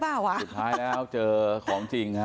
สุดท้ายแล้วเจอของจริงฮะ